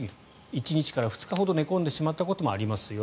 １日から２日ほど寝込んでしまったこともありますよ。